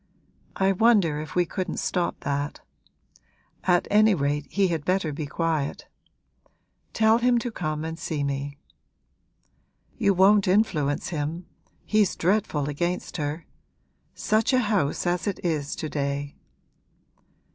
I wonder if we couldn't stop that. At any rate he had better be quiet: tell him to come and see me.' 'You won't influence him; he's dreadful against her. Such a house as it is to day!'